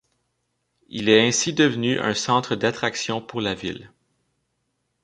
Il est ainsi devenu un centre d'attraction pour la ville.